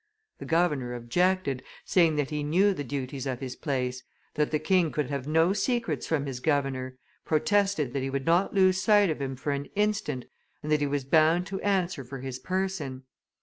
The governor objected, saying that he knew the duties of his place, that the king could have no secrets from his governor, protested that he would not lose sight of him for an instant, and that he was bound to answer for his person.